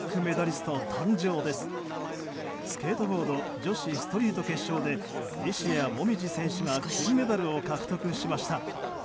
スケートボード女子ストリート決勝で西矢椛選手が金メダルを獲得しました。